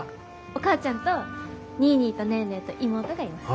お母ちゃんとニーニーとネーネーと妹がいます。